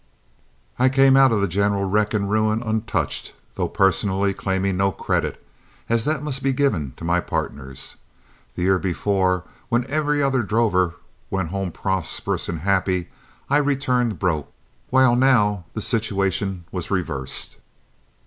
I came out of the general wreck and ruin untouched, though personally claiming no credit, as that must be given my partners. The year before, when every other drover went home prosperous and happy, I returned "broke," while now the situation was reversed.